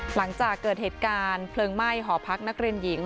หลังจากเกิดเหตุการณ์เพลิงไหม้หอพักนักเรียนหญิง